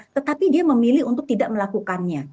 tetapi dia memilih untuk tidak melakukannya